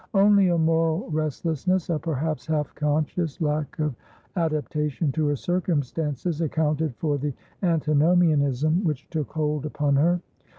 Only a moral restlessness, a perhaps half conscious lack of adaptation to her circumstances, accounted for the antinomianism which took hold upon her.